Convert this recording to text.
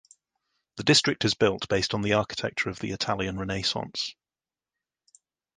The district is built based on the architecture of the Italian Renaissance.